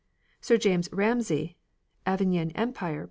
Sir James Ramsay (" Angevin Empire," p.